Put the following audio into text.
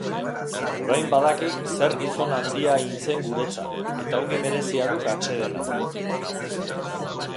Orain badakik zer gizon handia hintzen guretzat, eta ongi merezia duk atsedena.